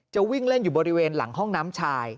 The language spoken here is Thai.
วิ่งเล่นอยู่บริเวณหลังห้องน้ำชาย